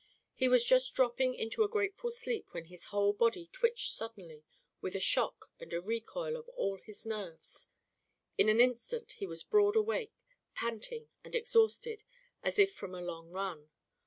He was just dropping into a grateful sleep when his whole body twitched suddenly with a shock and a recoil of all his nerves; in an instant he was broad awake, panting and exhausted as if from a long run.